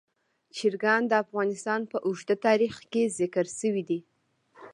چرګان د افغانستان په اوږده تاریخ کې ذکر شوي دي.